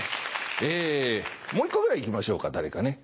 もう１個ぐらい行きましょうか誰かね。